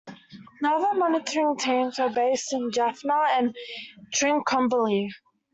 Naval monitoring teams were based in Jaffna and Trincomalee.